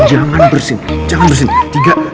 jangan bersin jangan bersin tiga dua satu action